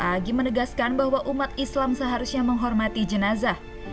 agi menegaskan bahwa umat islam seharusnya menghormati jenazah